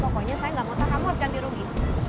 pokoknya saya gak mau tahu kamu harus ganti rugi